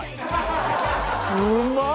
うまっ！